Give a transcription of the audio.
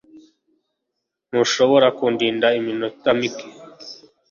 Ntushobora kundinda iminota mike